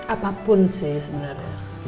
apapun sih sebenarnya